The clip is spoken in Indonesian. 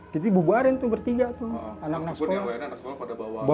jadi bubarin tuh bertiga tuh anak anak sekolah